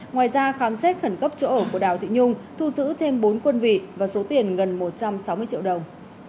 ngoài ra khám xét khẩn cấp chỗ ở của đào thị nhung thu giữ thêm bốn quân vị và số tiền gần một trăm sáu mươi triệu đồng